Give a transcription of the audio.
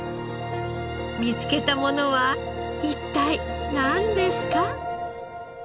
見つけたものは一体なんですか？